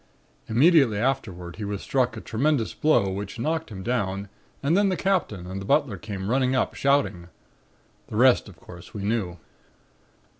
Immediately afterward he was struck a tremendous blow which knocked him down and then the Captain and the butler came running up, shouting. The rest, of course, we knew.